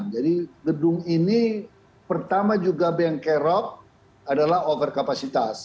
jadi gedung ini pertama juga bankero adalah overcapacitas